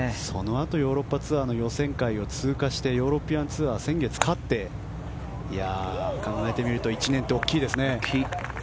ヨーロッパツアーの予選会を通過してヨーロピアンツアーを先月勝って考えてみると１年って大きいですね。